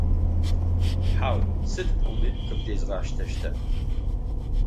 Хьау, сыд пӏоми къыбдезгъэштэщтэп.